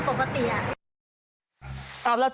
อาการที่ไม่เหมือนคนปกติ